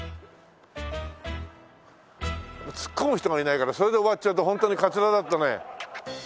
ツッコむ人がいないからそれで終わっちゃうと本当にかつらだってね。